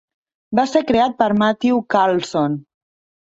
Va ser creat per Matthew Carlson.